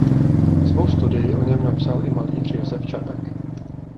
Svou studii o něm napsal i malíř Josef Čapek.